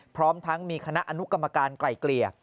พร้อมทั้งมีคณะอนุกรรมการไกล่เกลี่ย